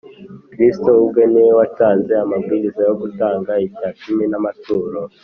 kristo ubwe ni we watanze amabwiriza yo gutanga icya cumi n’amaturo